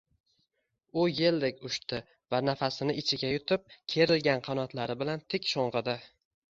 U yeldek uchdi va nafasini ichiga yutib, kerilgan qanotlari bilan tik sho‘ng‘idi.